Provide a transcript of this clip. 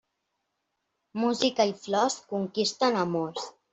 Música i flors conquisten amors.